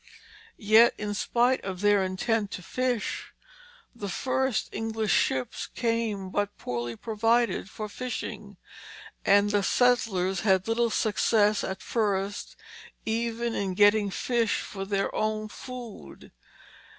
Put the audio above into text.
Yet in spite of their intent to fish, the first English ships came but poorly provided for fishing, and the settlers had little success at first even in getting fish for their own food.